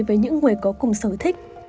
với những người có cùng sở thích